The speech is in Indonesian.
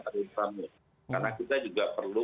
karena kita juga perlu